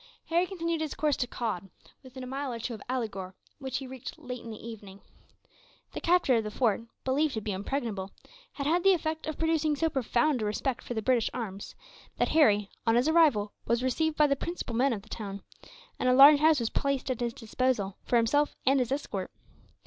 Harry continued his course to Cod, within a mile or two of Alighur, which he reached late in the evening. The capture of the fort, believed to be impregnable, had had the effect of producing so profound a respect for the British arms that Harry, on his arrival, was received by the principal men of the town; and a large house was placed at his disposal, for himself and his escort.